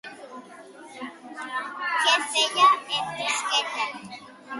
Què feia, en Busqueta?